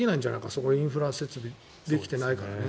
そこにインフラ設備ができてないと。